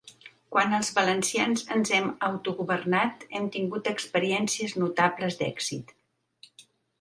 Quan els valencians ens hem auto-governat hem tingut experiències notables d’èxit.